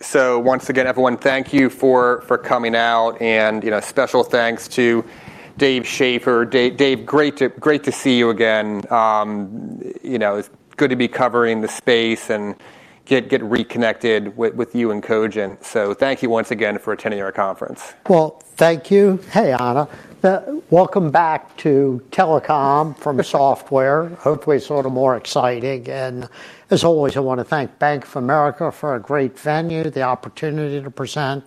So once again, everyone, thank you for coming out, and, you know, special thanks to Dave Schaeffer. Dave, great to see you again. You know, it's good to be covering the space and get reconnected with you and Cogent. So thank you once again for attending our conference. Thank you. Hey, Anna. Welcome back to telecom from software. Hopefully, it's a little more exciting. As always, I want to thank Bank of America for a great venue, the opportunity to present,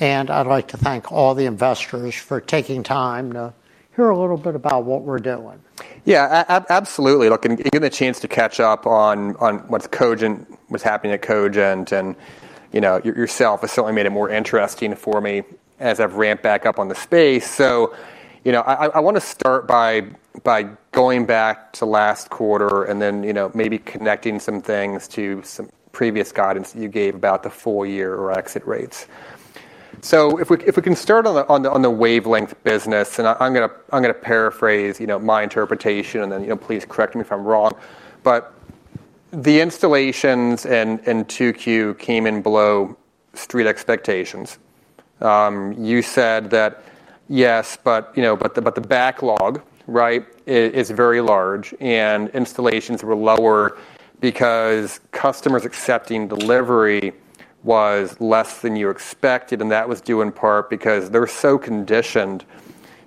and I'd like to thank all the investors for taking time to hear a little bit about what we're doing. Yeah, absolutely. Look, and getting the chance to catch up on what's happening at Cogent and, you know, yourself has certainly made it more interesting for me as I've ramped back up on the space. You know, I want to start by going back to last quarter and then, you know, maybe connecting some things to some previous guidance you gave about the full year or exit rates. If we can start on the wavelength business, and I'm gonna paraphrase, you know, my interpretation, and then, you know, please correct me if I'm wrong, but the installations in 2Q came in below Street expectations. You said that, yes, but, you know, but the, but the backlog, right, is very large, and installations were lower because customers accepting delivery was less than you expected, and that was due in part because they were so conditioned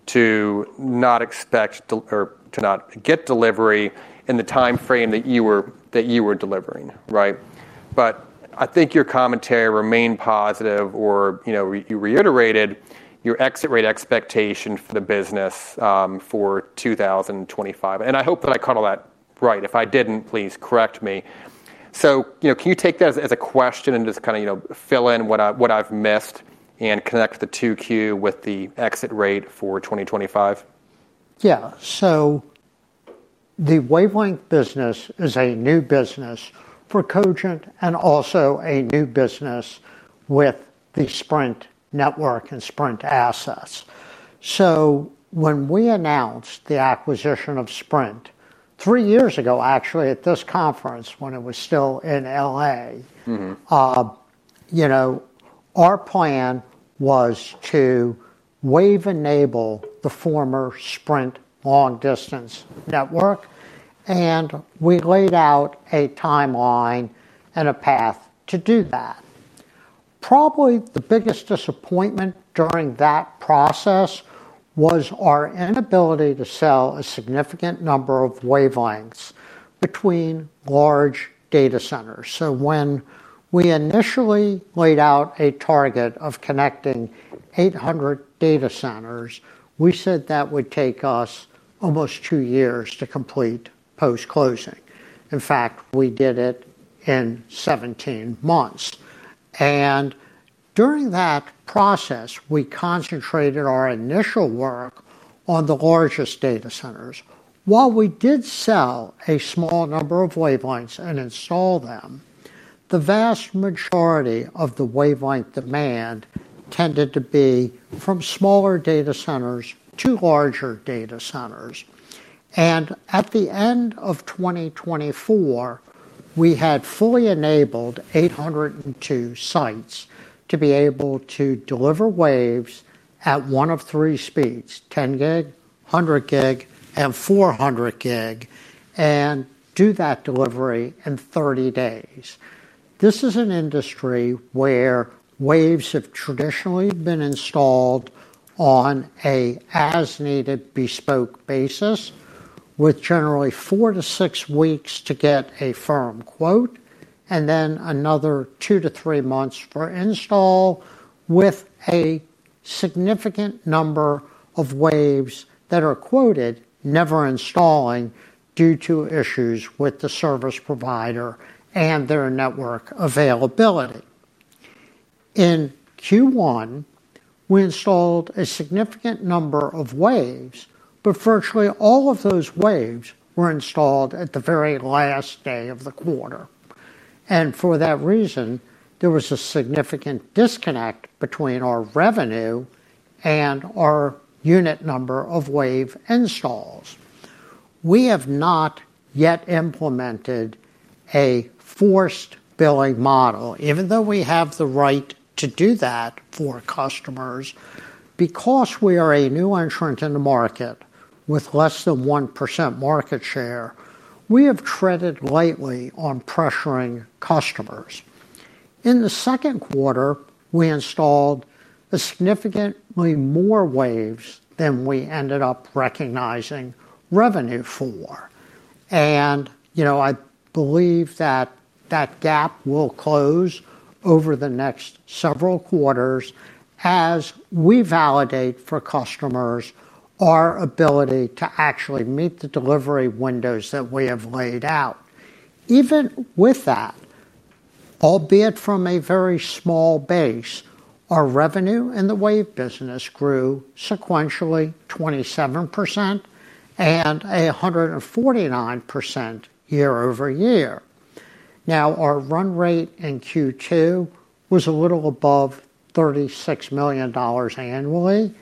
to not expect or to not get delivery in the time frame that you were, that you were delivering, right? But I think your commentary remained positive, or, you know, you reiterated your exit rate expectation for the business, for 2025, and I hope that I caught all that right. If I didn't, please correct me. So, you know, can you take that as, as a question and just kind of, you know, fill in what I, what I've missed and connect the 2Q with the exit rate for 2025? Yeah. So the wavelength business is a new business for Cogent and also a new business with the Sprint network and Sprint assets. So when we announced the acquisition of Sprint three years ago, actually at this conference, when it was still in LA. You know, our plan was to wavelength enable the former Sprint long distance network, and we laid out a timeline and a path to do that. Probably the biggest disappointment during that process was our inability to sell a significant number of wavelengths between large data centers. So when we initially laid out a target of connecting 800 data centers, we said that would take us almost two years to complete post-closing. In fact, we did it in 17 months, and during that process, we concentrated our initial work on the largest data centers. While we did sell a small number of wavelengths and install them, the vast majority of the wavelength demand tended to be from smaller data centers to larger data centers. And at the end of 2024, we had fully enabled 802 sites to be able to deliver waves at one of three speeds: 10 gig, 100 gig, and 400 gig, and do that delivery in 30 days. This is an industry where waves have traditionally been installed on an as-needed bespoke basis, with generally 4-6 weeks to get a firm quote, and then another 2-3 months for install, with a significant number of waves that are quoted never installing due to issues with the service provider and their network availability. In Q1, we installed a significant number of waves, but virtually all of those waves were installed at the very last day of the quarter, and for that reason, there was a significant disconnect between our revenue and our unit number of wave installs. We have not yet implemented a forced billing model, even though we have the right to do that for customers. Because we are a new entrant in the market with less than 1% market share, we have treaded lightly on pressuring customers. In the second quarter, we installed a significantly more waves than we ended up recognizing revenue for, and, you know, I believe that that gap will close over the next several quarters as we validate for customers our ability to actually meet the delivery windows that we have laid out. Even with that, albeit from a very small base, our revenue in the wave business grew sequentially 27% and 149% year-over-year. Now, our run rate in Q2 was a little above $36 million annually.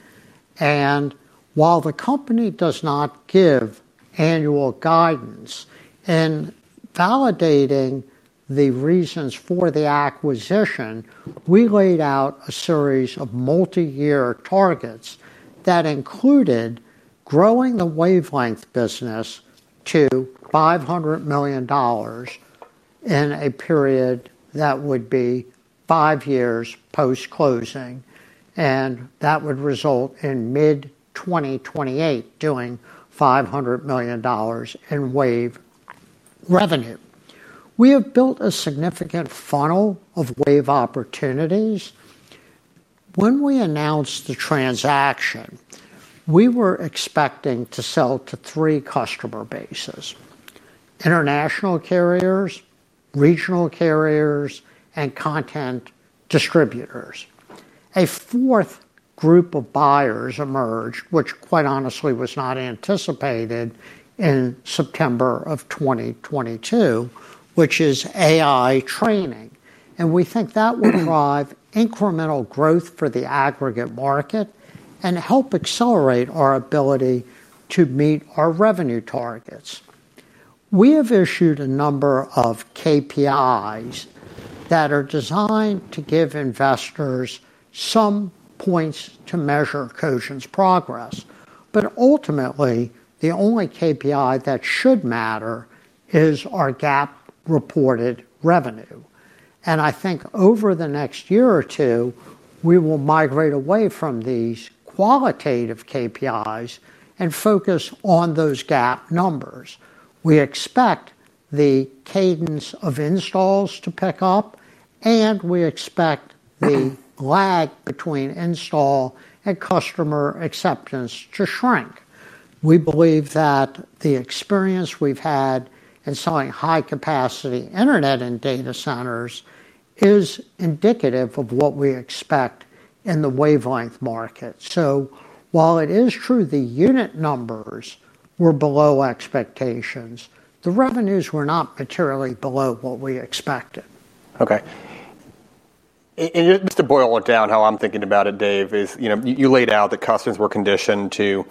While the company does not give annual guidance in validating the reasons for the acquisition, we laid out a series of multi-year targets that included growing the Wavelength business to $500 million in a period that would be five years post-closing, and that would result in mid-2028, doing $500 million in wave revenue. We have built a significant funnel of wave opportunities. When we announced the transaction, we were expecting to sell to three customer bases: international carriers, regional carriers, and content distributors. A fourth group of buyers emerged, which quite honestly was not anticipated in September of 2022, which is AI training, and we think that will drive incremental growth for the aggregate market and help accelerate our ability to meet our revenue targets. We have issued a number of KPIs that are designed to give investors some points to measure Cogent's progress, but ultimately, the only KPI that should matter is our GAAP-reported revenue. And I think over the next year or two, we will migrate away from these qualitative KPIs and focus on those GAAP numbers. We expect the cadence of installs to pick up, and we expect the lag between install and customer acceptance to shrink. We believe that the experience we've had in selling high-capacity internet and data centers is indicative of what we expect in the wavelength market. So while it is true the unit numbers were below expectations, the revenues were not materially below what we expected. Okay. And just to boil it down, how I'm thinking about it, Dave, is, you know, you laid out that customers were conditioned to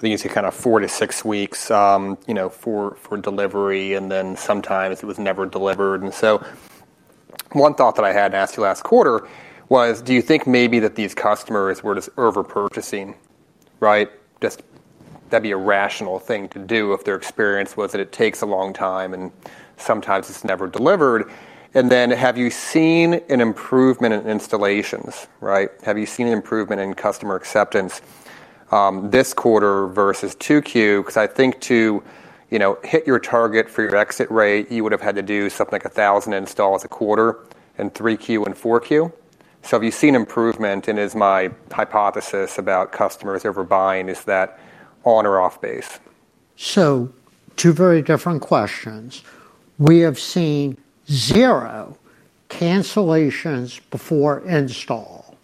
these kind of four to six weeks, you know, for delivery, and then sometimes it was never delivered. And so one thought that I had and asked you last quarter was, do you think maybe that these customers were just over-purchasing, right? Just... That'd be a rational thing to do if their experience was that it takes a long time and sometimes it's never delivered. And then, have you seen an improvement in installations, right? Have you seen an improvement in customer acceptance, this quarter versus 2Q? Because I think to, you know, hit your target for your exit rate, you would have had to do something like 1,000 installs a quarter in 3Q and 4Q. So have you seen improvement, and is my hypothesis about customers over-buying, is that on or off base? So two very different questions. We have seen zero cancellations before install,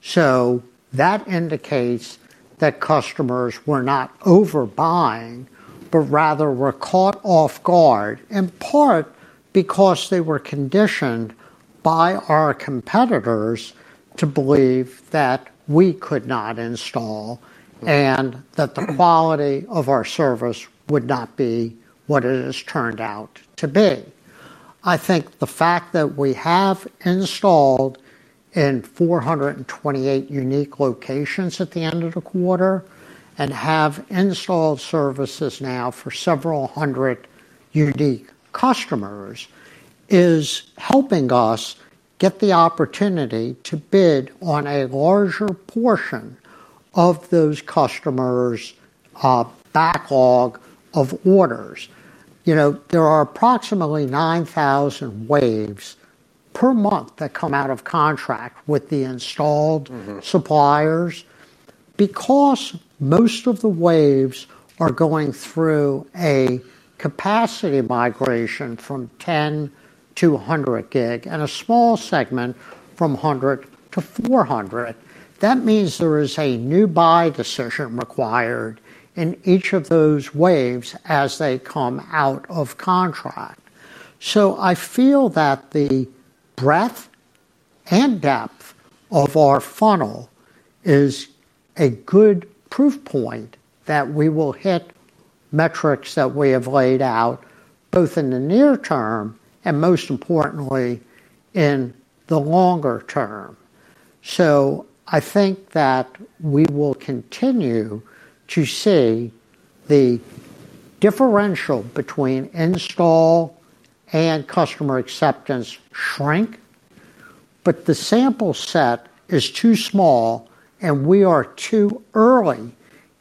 so that indicates that customers were not overbuying, but rather were caught off guard, in part because they were conditioned by our competitors to believe that we could not install and that the quality of our service would not be what it has turned out to be. I think the fact that we have installed in 428 unique locations at the end of the quarter and have installed services now for several hundred unique customers, is helping us get the opportunity to bid on a larger portion of those customers' backlog of orders. You know, there are approximately 9,000 waves per month that come out of contract with the installed suppliers. Because most of the waves are going through a capacity migration from 10 to 100 gig, and a small segment from 100 to 400, that means there is a new buy decision required in each of those waves as they come out of contract. So I feel that the breadth and depth of our funnel is a good proof point that we will hit metrics that we have laid out, both in the near term and, most importantly, in the longer term. So I think that we will continue to see the differential between install and customer acceptance shrink, but the sample set is too small, and we are too early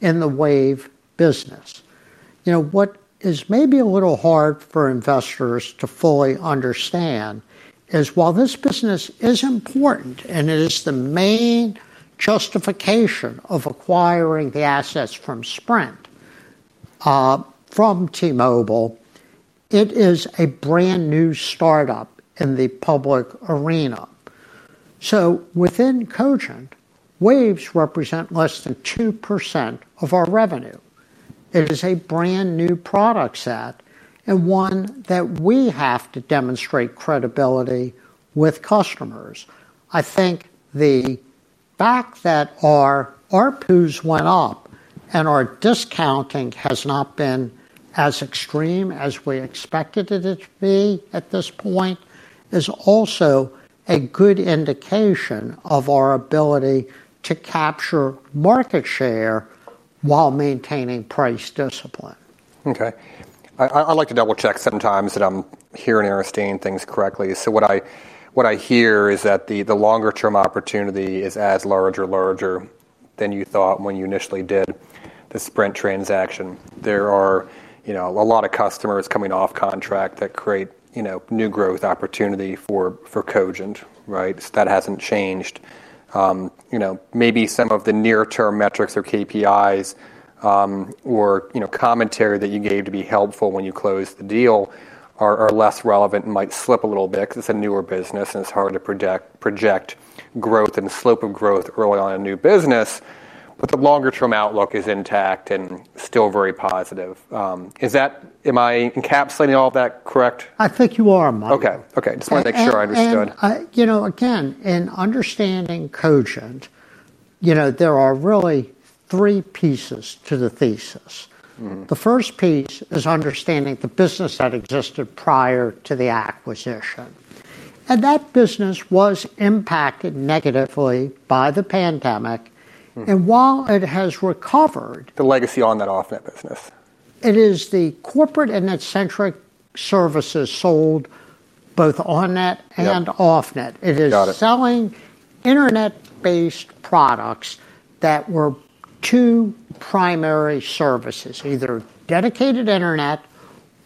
in the Wave business. You know, what is maybe a little hard for investors to fully understand is, while this business is important and it is the main justification of acquiring the assets from Sprint, from T-Mobile, it is a brand-new start-up in the public arena. So within Cogent, Waves represent less than 2% of our revenue. It is a brand-new product set, and one that we have to demonstrate credibility with customers. I think the fact that our ARPUs went up and our discounting has not been as extreme as we expected it to be at this point, is also a good indication of our ability to capture market share while maintaining price discipline. Okay. I like to double-check sometimes that I'm hearing and understanding things correctly. So what I hear is that the longer-term opportunity is as large or larger than you thought when you initially did the Sprint transaction. There are, you know, a lot of customers coming off contract that create, you know, new growth opportunity for Cogent, right? So that hasn't changed. You know, maybe some of the near-term metrics or KPIs, or, you know, commentary that you gave to be helpful when you closed the deal are less relevant and might slip a little bit, 'cause it's a newer business, and it's hard to project growth and slope of growth early on in a new business. But the longer-term outlook is intact and still very positive. Is that... Am I encapsulating all that correct? I think you are, Mike. Okay. Okay, just wanted to make sure I understood. You know, again, in understanding Cogent, you know, there are really three pieces to the thesis. The first piece is understanding the business that existed prior to the acquisition, and that business was impacted negatively by the pandemic. And while it has recovered- The legacy on-net, off-net business. It is the corporate and net-centric services sold both on-net and off-net. Got it. It is selling internet-based products that were two primary services, either dedicated internet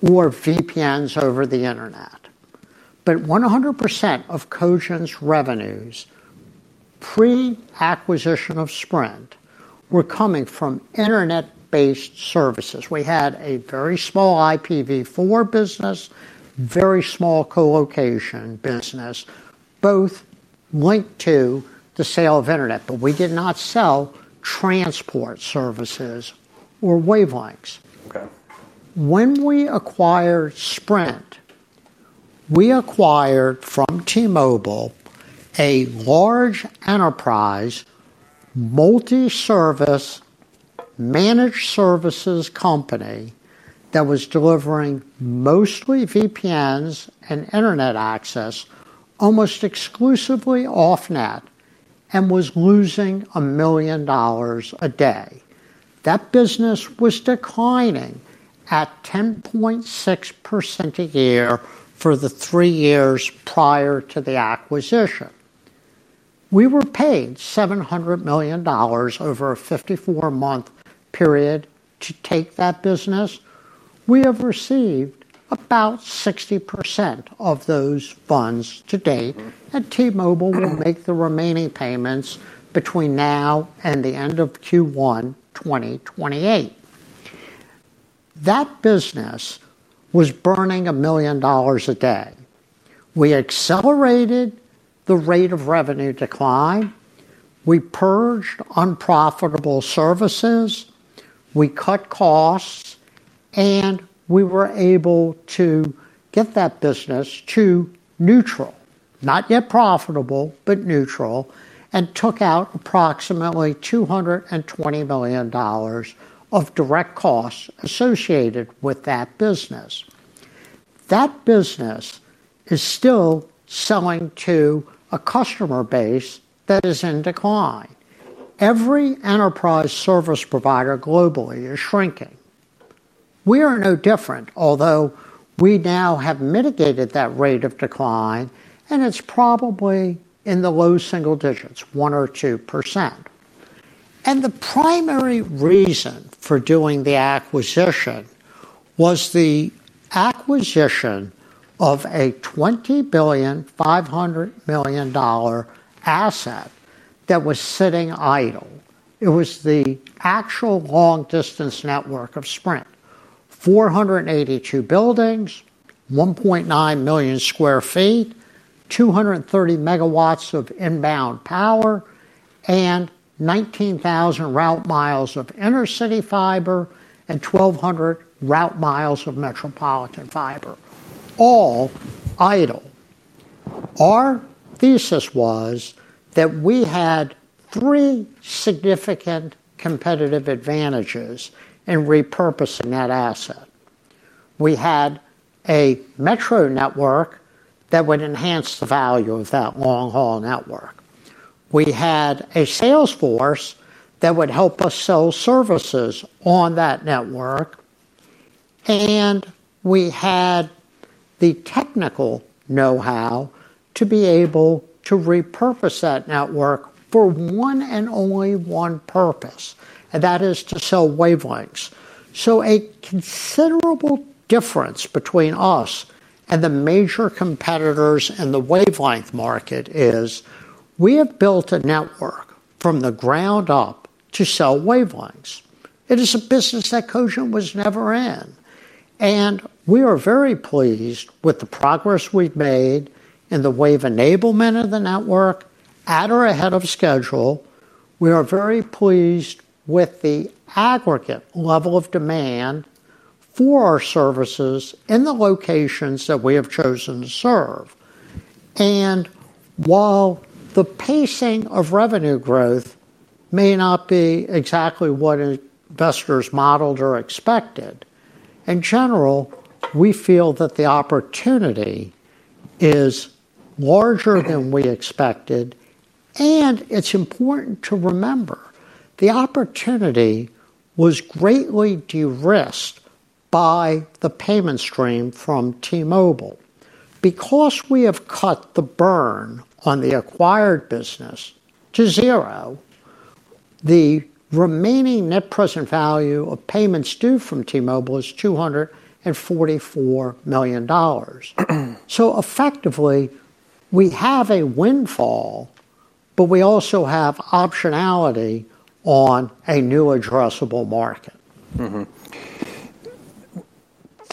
or VPNs over the internet. But 100% of Cogent's revenues, pre-acquisition of Sprint, were coming from internet-based services. We had a very small IPv4 business, very small colocation business, both linked to the sale of internet, but we did not sell transport services or wavelengths. Okay. When we acquired Sprint, we acquired from T-Mobile a large enterprise, multi-service, managed services company that was delivering mostly VPNs and internet access, almost exclusively off-net, and was losing $1 million a day. That business was declining at 10.6% a year for the three years prior to the acquisition. We were paid $700 million over a 54-month period to take that business. We have received about 60% of those funds to date and T-Mobile will make the remaining payments between now and the end of Q1 2028. That business was burning $1 million a day. We accelerated the rate of revenue decline, we purged unprofitable services, we cut costs, and we were able to get that business to neutral, not yet profitable, but neutral, and took out approximately $220 million of direct costs associated with that business. That business is still selling to a customer base that is in decline. Every enterprise service provider globally is shrinking. We are no different, although we now have mitigated that rate of decline, and it's probably in the low single digits, 1% or 2%. The primary reason for doing the acquisition was the acquisition of a $20.5 billion asset that was sitting idle. It was the actual long-distance network of Sprint, 482 buildings, 1.9 million sq ft, 230 megawatts of inbound power, and 19,000 route miles of inter-city fiber, and 1,200 route miles of metropolitan fiber, all idle. Our thesis was that we had three significant competitive advantages in repurposing that asset. We had a metro network that would enhance the value of that long-haul network. We had a sales force that would help us sell services on that network, and we had the technical know-how to be able to repurpose that network for one, and only one purpose, and that is to sell wavelengths. So a considerable difference between us and the major competitors in the wavelength market is, we have built a network from the ground up to sell wavelengths. It is a business that Cogent was never in. And we are very pleased with the progress we've made in the wave enablement of the network, at or ahead of schedule. We are very pleased with the aggregate level of demand for our services in the locations that we have chosen to serve. And while the pacing of revenue growth may not be exactly what investors modeled or expected, in general, we feel that the opportunity is larger than we expected, and it's important to remember, the opportunity was greatly de-risked by the payment stream from T-Mobile. Because we have cut the burn on the acquired business to zero, the remaining net present value of payments due from T-Mobile is $244 million. So effectively, we have a windfall, but we also have optionality on a new addressable market.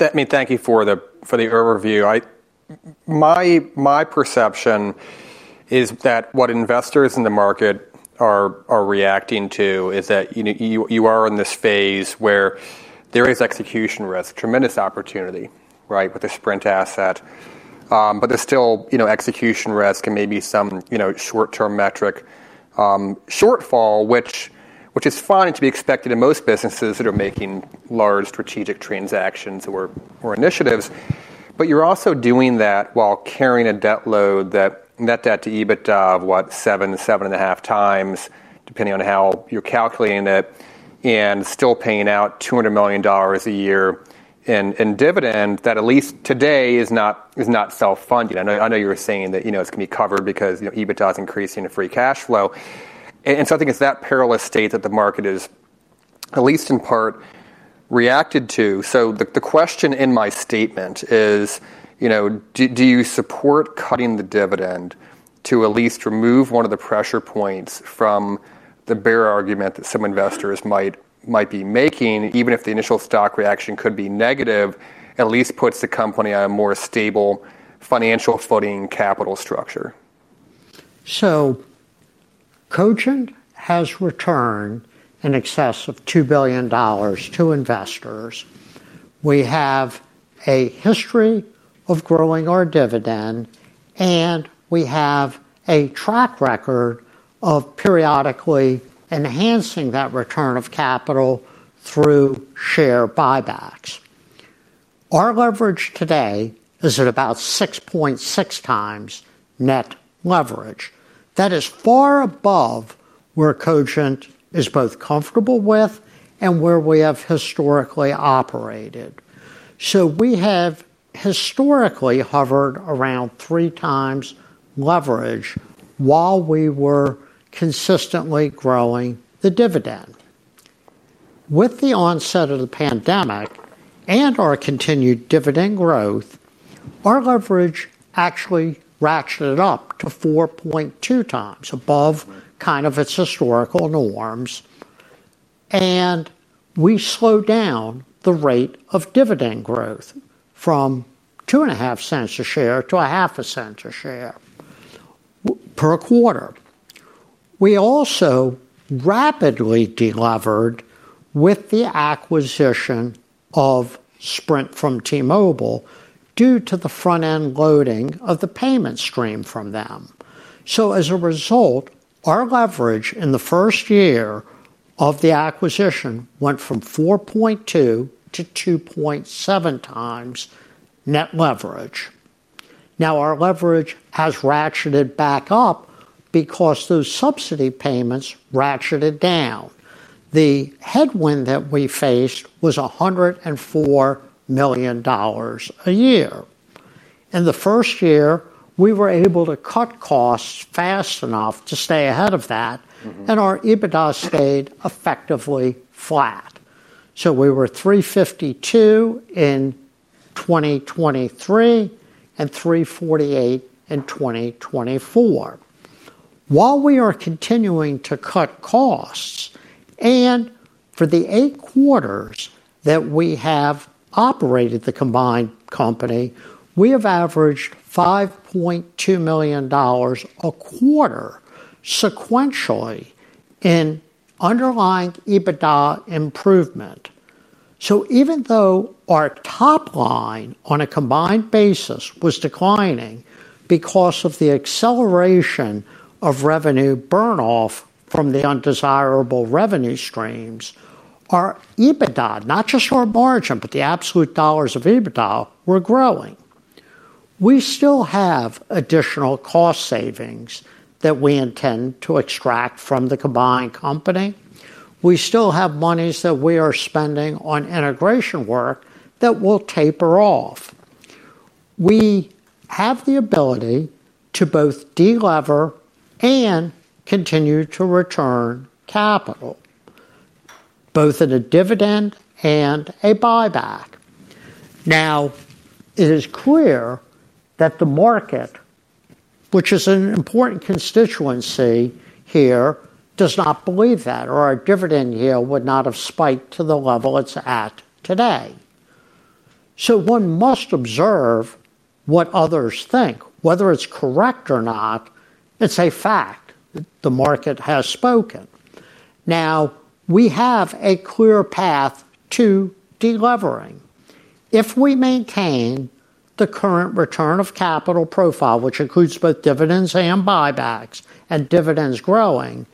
Let me thank you for the overview. My perception is that what investors in the market are reacting to is that, you know, you are in this phase where there is execution risk, tremendous opportunity, right, with the Sprint asset. But there's still, you know, execution risk and maybe some short-term metric shortfall, which is fine, to be expected in most businesses that are making large strategic transactions or initiatives. But you're also doing that while carrying a debt load, that net debt to EBITDA of what? Seven, seven and a half times, depending on how you're calculating it, and still paying out $200 million a year in dividend that at least today is not self-funded. I know, I know you were saying that, you know, it's gonna be covered because, you know, EBITDA is increasing the free cash flow. And so I think it's that perilous state that the market is, at least in part, reacted to. So the question in my statement is, you know, do you support cutting the dividend to at least remove one of the pressure points from the bear argument that some investors might be making? Even if the initial stock reaction could be negative, at least puts the company on a more stable financial footing capital structure. Cogent has returned in excess of $2 billion to investors. We have a history of growing our dividend, and we have a track record of periodically enhancing that return of capital through share buybacks. Our leverage today is at about 6.6 times net leverage. That is far above where Cogent is both comfortable with and where we have historically operated. So we have historically hovered around 3 times leverage while we were consistently growing the dividend. With the onset of the pandemic and our continued dividend growth, our leverage actually ratcheted up to 4.2 times, above kind of its historical norms, and we slowed down the rate of dividend growth from $0.025 a share to $0.005 a share per quarter. We also rapidly delevered with the acquisition of Sprint from T-Mobile due to the front-end loading of the payment stream from them. So as a result, our leverage in the first year of the acquisition went from 4.2-2.7x net leverage. Now, our leverage has ratcheted back up because those subsidy payments ratcheted down. The headwind that we faced was $104 million a year. In the first year, we were able to cut costs fast enough to stay ahead of that. And our EBITDA stayed effectively flat. So we were 352 in 2023, and 348 in 2024. While we are continuing to cut costs, and for the eight quarters that we have operated the combined company, we have averaged $5.2 million a quarter sequentially in underlying EBITDA improvement. So even though our top line on a combined basis was declining because of the acceleration of revenue burn-off from the undesirable revenue streams, our EBITDA, not just our margin, but the absolute dollars of EBITDA, were growing. We still have additional cost savings that we intend to extract from the combined company. We still have monies that we are spending on integration work that will taper off. We have the ability to both de-lever and continue to return capital, both at a dividend and a buyback. Now, it is clear that the market-... which is an important constituency here, does not believe that, or our dividend yield would not have spiked to the level it's at today. So one must observe what others think. Whether it's correct or not, it's a fact. The market has spoken. Now, we have a clear path to delevering. If we maintain the current return of capital profile, which includes both dividends and buybacks, and dividends growing,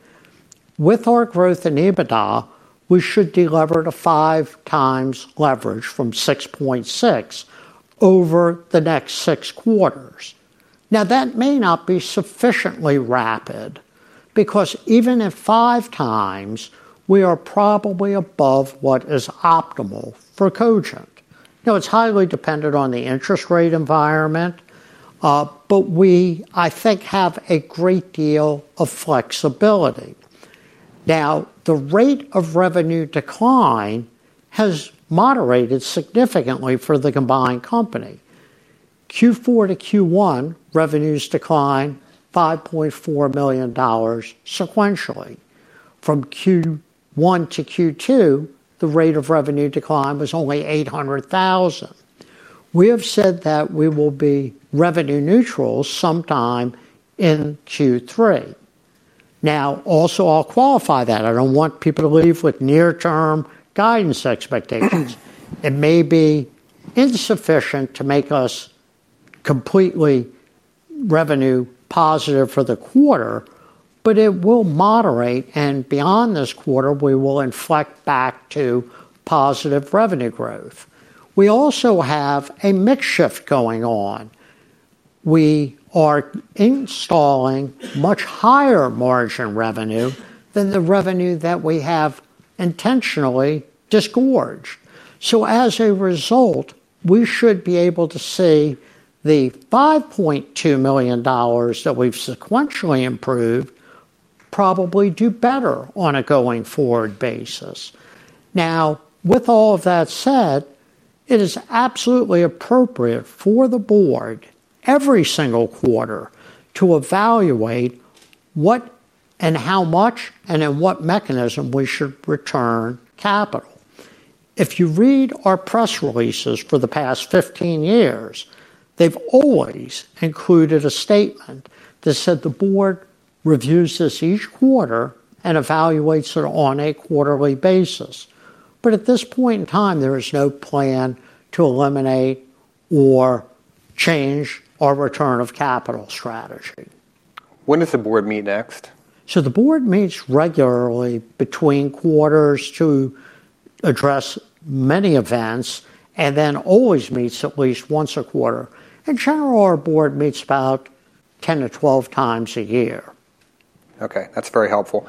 with our growth in EBITDA, we should delever to five times leverage from six point six over the next six quarters. Now, that may not be sufficiently rapid, because even at five times, we are probably above what is optimal for Cogent. Now, it's highly dependent on the interest rate environment, but we, I think, have a great deal of flexibility. Now, the rate of revenue decline has moderated significantly for the combined company. Q4 to Q1, revenues declined $5.4 million sequentially. From Q1 to Q2, the rate of revenue decline was only $800,000. We have said that we will be revenue neutral sometime in Q3. Now, also, I'll qualify that. I don't want people to leave with near-term guidance expectations. It may be insufficient to make us completely revenue positive for the quarter, but it will moderate, and beyond this quarter, we will inflect back to positive revenue growth. We also have a mix shift going on. We are installing much higher margin revenue than the revenue that we have intentionally disgorged. So as a result, we should be able to see the $5.2 million that we've sequentially improved probably do better on a going-forward basis. Now, with all of that said, it is absolutely appropriate for the board, every single quarter, to evaluate what and how much, and in what mechanism we should return capital. If you read our press releases for the past fifteen years, they've always included a statement that said the board reviews this each quarter and evaluates it on a quarterly basis. But at this point in time, there is no plan to eliminate or change our return of capital strategy. When does the board meet next? The board meets regularly between quarters to address many events, and then always meets at least once a quarter. In general, our board meets about 10-12 times a year. Okay, that's very helpful.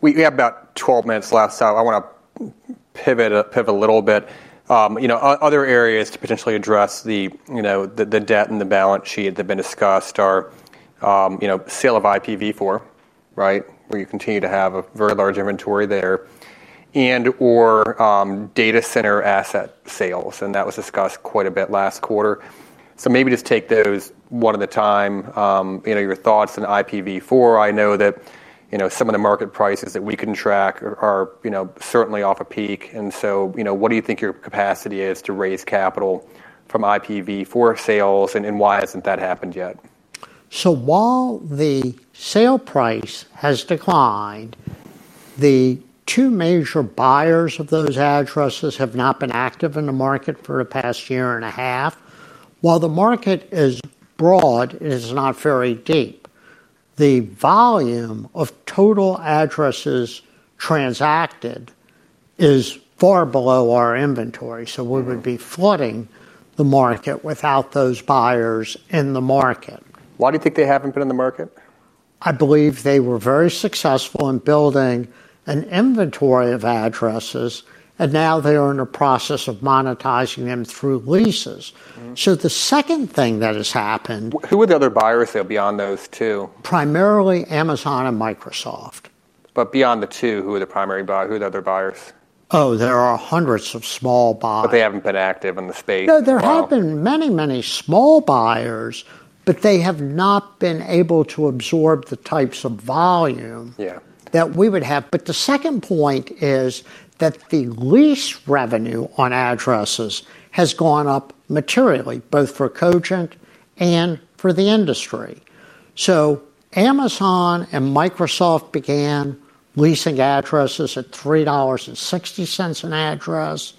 We have about 12 minutes left, so I want to pivot a little bit. You know, other areas to potentially address the, you know, the debt and the balance sheet that have been discussed are, you know, sale of IPv4, right? Where you continue to have a very large inventory there, and/or, data center asset sales, and that was discussed quite a bit last quarter. So maybe just take those one at a time. You know, your thoughts on IPv4. I know that, you know, some of the market prices that we can track are, you know, certainly off a peak. And so, you know, what do you think your capacity is to raise capital from IPv4 sales, and then why hasn't that happened yet? So while the sale price has declined, the two major buyers of those addresses have not been active in the market for the past year and a half. While the market is broad, it is not very deep. The volume of total addresses transacted is far below our inventory so we would be flooding the market without those buyers in the market. Why do you think they haven't been in the market? I believe they were very successful in building an inventory of addresses, and now they are in the process of monetizing them through leases. So the second thing that has happened. Who are the other buyers, though, beyond those two? Primarily Amazon and Microsoft. But beyond the two, who are the primary buyers? Who are the other buyers? Oh, there are hundreds of small buyers. But they haven't been active in the space for a while. No, there have been many, many small buyers, but they have not been able to absorb the types of volume that we would have. But the second point is that the lease revenue on addresses has gone up materially, both for Cogent and for the industry. So Amazon and Microsoft began leasing addresses at $3.60 an address.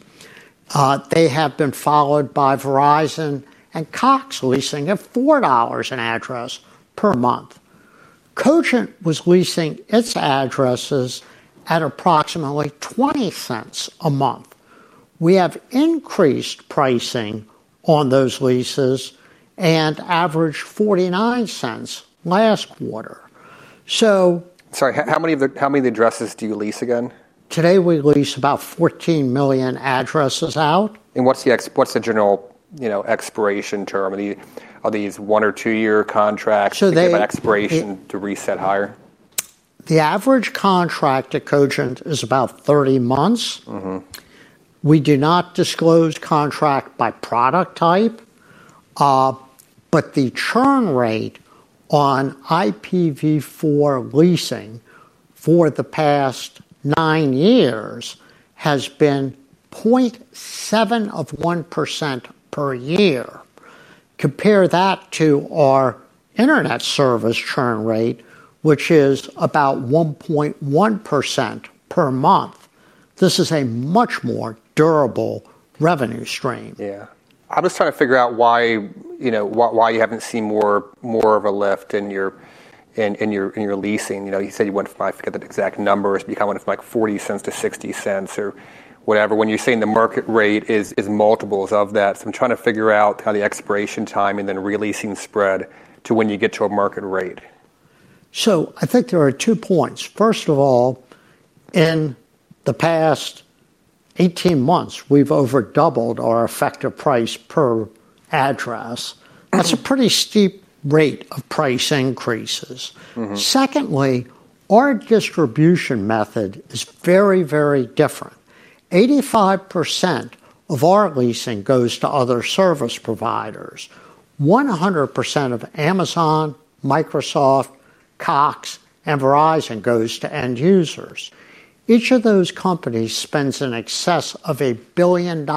They have been followed by Verizon and Cox leasing at $4 an address per month. Cogent was leasing its addresses at approximately $0.20 a month. We have increased pricing on those leases and averaged $0.49 last quarter. Sorry, how many addresses do you lease again? Today, we lease about 14 million addresses out. What's the general, you know, expiration term? Are these one- or two-year contracts with an expiration to reset higher? The average contract at Cogent is about 30 months. We do not disclose contract by product type, but the churn rate on IPv4 leasing for the past nine years has been 0.7% per year. Compare that to our internet service churn rate, which is about 1.1% per month. This is a much more durable revenue stream. Yeah. I'm just trying to figure out why, you know, why you haven't seen more of a lift in your leasing. You know, you said you went from, I forget the exact numbers, but you went from, like, $0.40-$0.60 or whatever, when you're saying the market rate is multiples of that. So I'm trying to figure out how the expiration time and then re-leasing spread to when you get to a market rate. So I think there are two points. First of all, in the past 18 months, we've over doubled our effective price per address. That's a pretty steep rate of price increases. Secondly, our distribution method is very, very different. 85% of our leasing goes to other service providers. 100% of Amazon, Microsoft, Cox, and Verizon goes to end users. Each of those companies spends in excess of $1 billion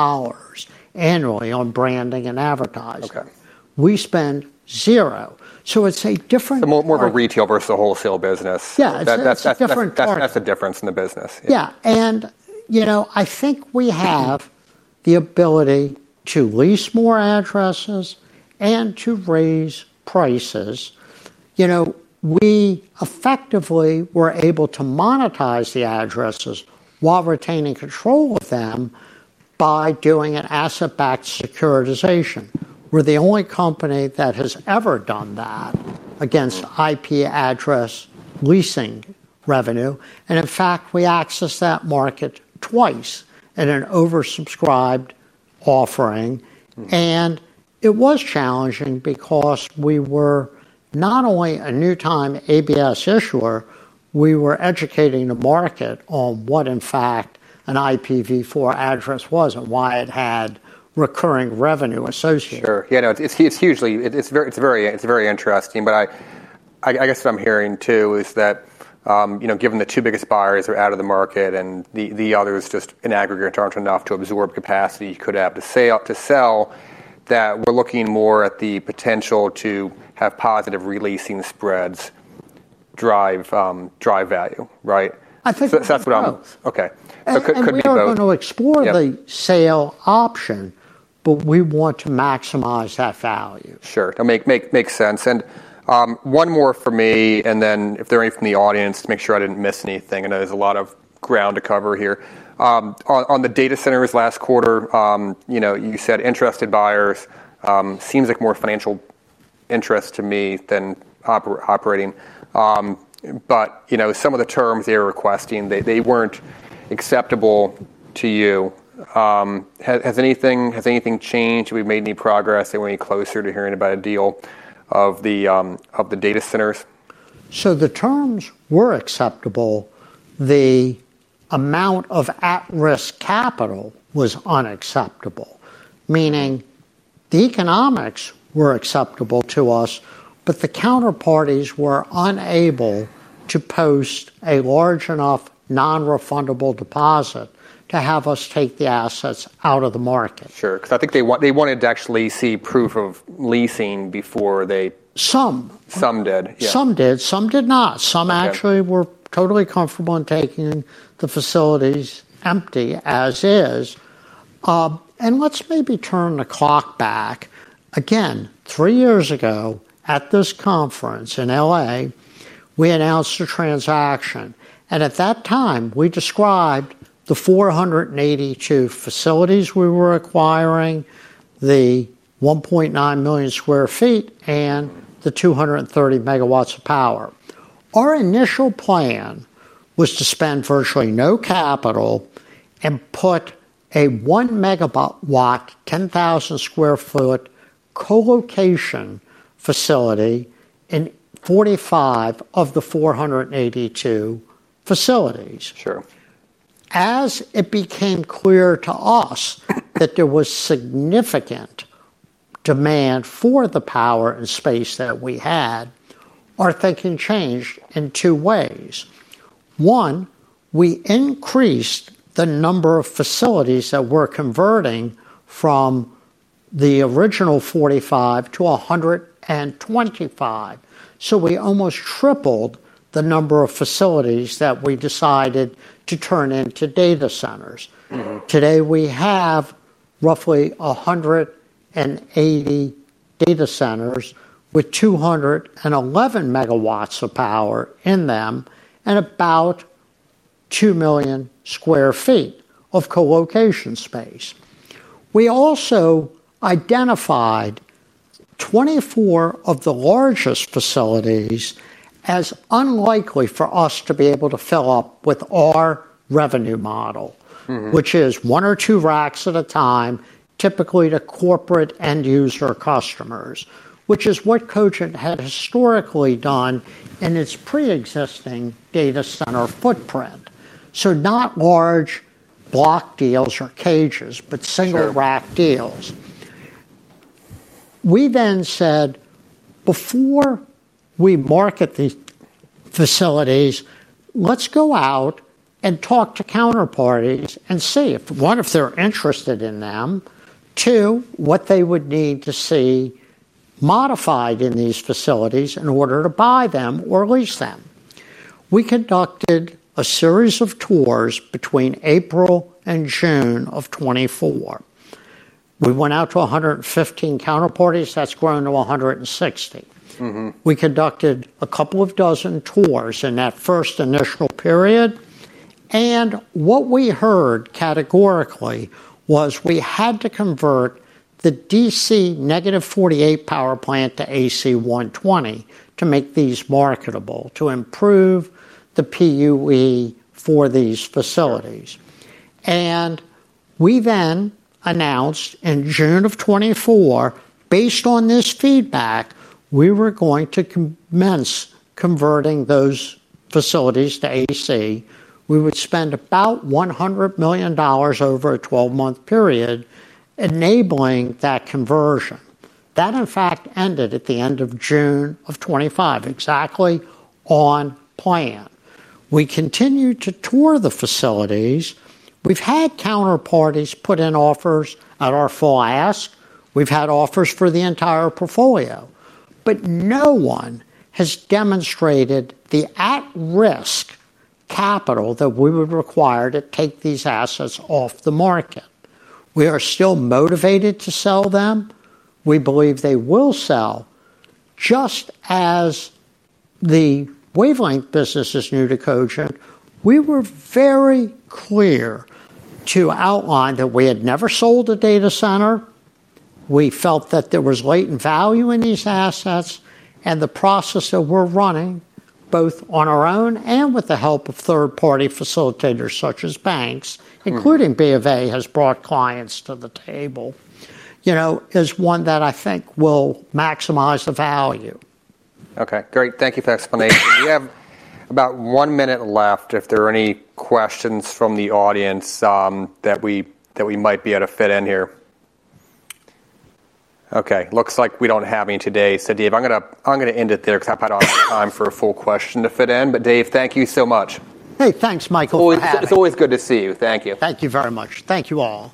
annually on branding and advertising. Okay. We spend zero, so it's a different part. More of a retail versus a wholesale business. Yeah, it's a different part. That's the difference in the business. Yeah, and you know, I think we have the ability to lease more addresses and to raise prices. You know, we effectively were able to monetize the addresses while retaining control of them by doing an asset-backed securitization. We're the only company that has ever done that against IP address leasing revenue, and in fact, we accessed that market twice in an oversubscribed offering. It was challenging because we were not only a first-time ABS issuer, we were educating the market on what, in fact, an IPv4 address was and why it had recurring revenue associated. Sure. Yeah, no, it's hugely... It's very interesting. But I guess what I'm hearing, too, is that, you know, given the two biggest buyers are out of the market and the others, just in aggregate, aren't enough to absorb capacity you could have to sell, that we're looking more at the potential to have positive re-leasing spreads drive value, right? I think both. That's what I'm... Okay. So it could be both. We are going to explore the sale option, but we want to maximize that value. Sure. That makes sense. And, one more from me, and then if there are any from the audience, to make sure I didn't miss anything. I know there's a lot of ground to cover here. On the data centers last quarter, you know, you said interested buyers. Seems like more financial interest to me than operating. But, you know, some of the terms they were requesting, they weren't acceptable to you. Has anything changed? Have we made any progress? Are we any closer to hearing about a deal of the, of the data centers? So the terms were acceptable. The amount of at-risk capital was unacceptable, meaning the economics were acceptable to us, but the counterparties were unable to post a large enough non-refundable deposit to have us take the assets out of the market. Sure, 'cause I think they want... they wanted to actually see proof of leasing before they. Some. Some did, yeah. Some did, some did not. Okay. Some actually were totally comfortable in taking the facilities empty, as is. And let's maybe turn the clock back again. Three years ago, at this conference in LA, we announced a transaction, and at that time, we described the 482 facilities we were acquiring, the 1.9 million sq ft, and the 230 megawatts of power. Our initial plan was to spend virtually no capital and put a one-megawatt, 10,000 sq ft colocation facility in 45 of the 482 facilities. Sure. As it became clear to us that there was significant demand for the power and space that we had, our thinking changed in two ways. One, we increased the number of facilities that we're converting from the original 45 to 125. So we almost tripled the number of facilities that we decided to turn into data centers. Today, we have roughly 180 data centers with 211 megawatts of power in them and about 2 million sq ft of colocation space. We also identified 24 of the largest facilities as unlikely for us to be able to fill up with our revenue model which is one or two racks at a time, typically to corporate end user customers, which is what Cogent had historically done in its preexisting data center footprint. So not large block deals or cages, but single-rack deals. We then said, "Before we market these facilities, let's go out and talk to counterparties and see if, one, if they're interested in them. Two, what they would need to see modified in these facilities in order to buy them or lease them." We conducted a series of tours between April and June of 2024. We went out to 115 counterparties. That's grown to 160. We conducted a couple of dozen tours in that first initial period, and what we heard categorically was we had to convert the DC -48V power plant to AC 120V to make these marketable, to improve the PUE for these facilities, and we then announced in June of 2024, based on this feedback, we were going to commence converting those facilities to AC. We would spend about $100 million over a twelve-month period enabling that conversion. That, in fact, ended at the end of June of 2025, exactly on plan. We continued to tour the facilities. We've had counterparties put in offers at our full ask. We've had offers for the entire portfolio, but no one has demonstrated the at-risk capital that we would require to take these assets off the market. We are still motivated to sell them. We believe they will sell. Just as the Wavelength business is new to Cogent, we were very clear to outline that we had never sold a data center. We felt that there was latent value in these assets, and the process that we're running, both on our own and with the help of third-party facilitators, such as banks including BofA, has brought clients to the table, you know, is one that I think will maximize the value. Okay, great. Thank you for the explanation. We have about one minute left, if there are any questions from the audience, that we might be able to fit in here. Okay, looks like we don't have any today. So Dave, I'm gonna end it there, 'cause I've had all the time for a full question to fit in. But Dave, thank you so much. Hey, thanks, Michael, for having me. It's always good to see you. Thank you. Thank you very much. Thank you, all.